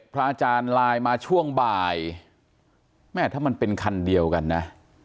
พระอาจารย์ไลน์มาช่วงบ่ายแม่ถ้ามันเป็นคันเดียวกันนะ